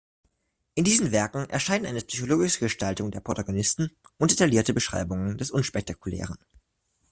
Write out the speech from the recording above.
In diesen Werken erscheinen eine psychologische Gestaltung der Protagonisten und detaillierte Beschreibungen des Unspektakulären.